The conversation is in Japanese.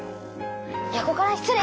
横から失礼！